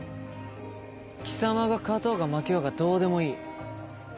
貴様が勝とうが負けようがどうでもいい。